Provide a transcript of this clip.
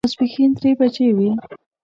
ماسپښین درې بجې وې.